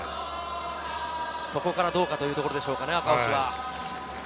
そこからどうかというところですね、赤星は。